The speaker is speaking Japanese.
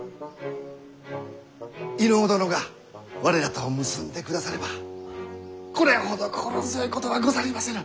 飯尾殿が我らと結んでくださればこれほど心強いことはござりませぬ。